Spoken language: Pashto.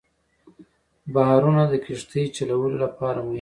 بحرونه د کښتۍ چلولو لپاره مهم دي.